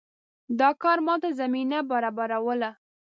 دا کار ماته زمینه برابروله.